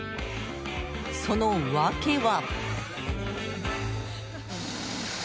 その訳は。